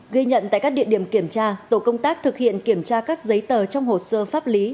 ghi nhận tại các địa điểm kiểm tra tổ công tác thực hiện kiểm tra các giấy tờ trong hồ sơ pháp lý